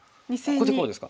ここでこうですか？